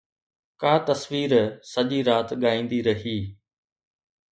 ڪا تصوير سڄي رات ڳائيندي رهي